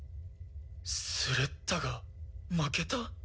スレッタが負けた？